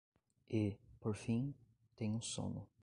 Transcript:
E, por fim, tenho sono